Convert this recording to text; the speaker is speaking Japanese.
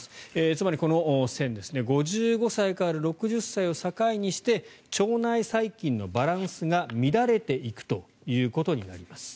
つまり、この線ですね５５歳から６０歳を境にして腸内細菌のバランスが乱れていくということになります。